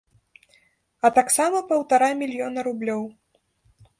А таксама паўтара мільёна рублёў.